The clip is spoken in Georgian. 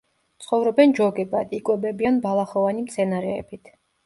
ცხოვრობენ ჯოგებად, იკვებებიან ბალახოვანი მცენარეებით.